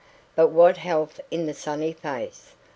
But what health in the sunny face!